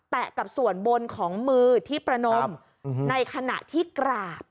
กับส่วนบนของมือที่ประนมในขณะที่กราบ